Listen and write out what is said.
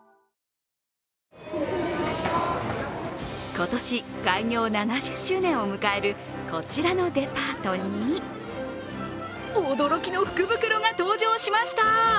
今年、開業７０周年を迎えるこちらのデパートに驚きの福袋が登場しました。